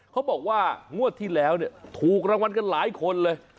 เขาบอกว่างวดที่แล้วเนี่ยถูกรางวัลกันหลายคนเลย